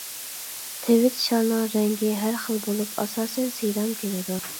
تىۋىت شالنىڭ رەڭگى ھەر خىل بولۇپ، ئاساسەن سىيدام كېلىدۇ.